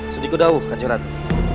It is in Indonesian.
sudikudawuh kanjeng ratu